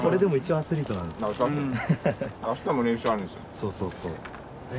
そうそうそう。